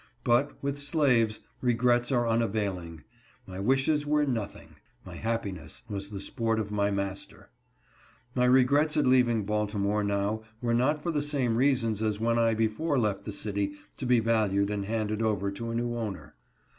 But, with slaves, regrets are unavailing ; my wishes were nothing ; my happiness was the sport of my master. My regrets at leaving Baltimore now were not for the 3ame reasons as when I before left the city to be valued and handed over to a new owner.